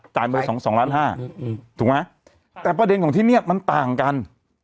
มือสองสองล้านห้าถูกไหมแต่ประเด็นของที่เนี่ยมันต่างกัน